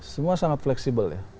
semua sangat fleksibel ya